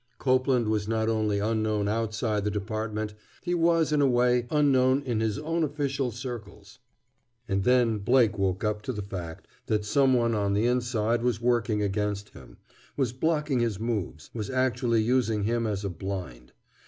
Copeland was not only unknown outside the Department; he was, in a way, unknown in his own official circles. And then Blake woke up to the fact that some one on the inside was working against him, was blocking his moves, was actually using him as a "blind."